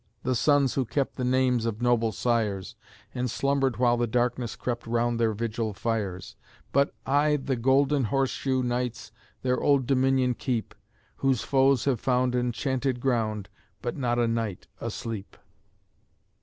the sons who kept The names of noble sires, And slumbered while the darkness crept Around their vigil fires! But, aye, the "Golden Horseshoe" knights Their Old Dominion keep, Whose foes have found enchanted ground, But not a knight asleep.